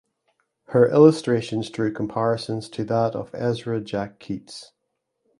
Her illustrations drew comparisons to that of Ezra Jack Keats.